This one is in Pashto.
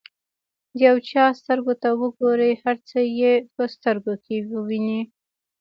د یو چا سترګو ته وګورئ هر څه یې په سترګو کې ووینئ.